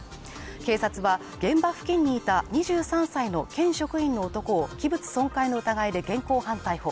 警察は現場付近にいた２３歳の県職員の男を器物損壊の疑いで現行犯逮捕。